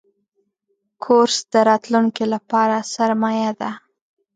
کورس د راتلونکي لپاره سرمایه ده.